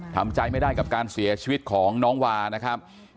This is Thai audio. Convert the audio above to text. ทำใจไม่ได้กับการเสียชีวิตของน้องวานะครับ